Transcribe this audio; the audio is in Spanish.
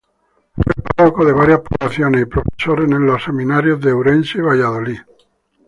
Fue párroco de varias poblaciones y profesor en los Seminarios de Ourense y Valladolid.